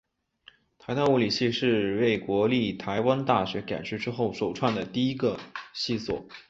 台大物理系是为国立台湾大学改制之后首创的第一个系所。